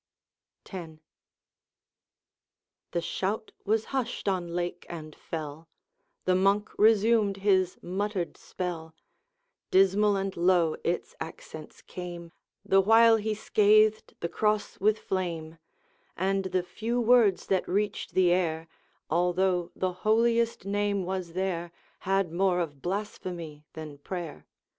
X. The shout was hushed on lake and fell, The Monk resumed his muttered spell: Dismal and low its accents came, The while he scathed the Cross with flame; And the few words that reached the air, Although the holiest name was there, Had more of blasphemy than prayer.